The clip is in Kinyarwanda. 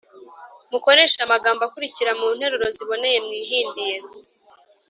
mukoreshe amagambo akurikira mu nteruro ziboneye mwihimbiye